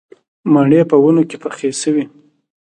مڼې په ونو کې پخې شوې